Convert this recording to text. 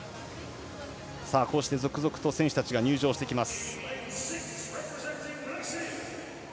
続々と選手たちが入場してきます。